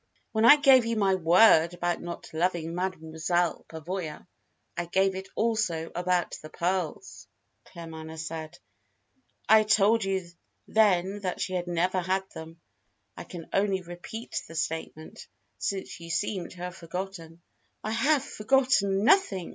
"When I gave you my word about not loving Mademoiselle Pavoya I gave it also about the pearls," Claremanagh said. "I told you then that she had never had them. I can only repeat the statement, since you seem to have forgotten." "I have forgotten nothing!"